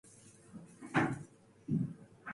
'Bring the spade, William,' he called to the chauffeur.